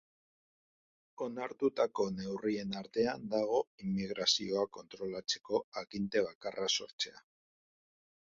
Onartutako neurrien artean dago immigrazioa kontrolatzeko aginte bakarra sortzea.